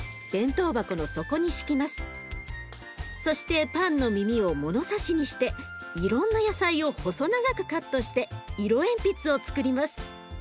そしてパンの耳をものさしにしていろんな野菜を細長くカットして色鉛筆をつくります。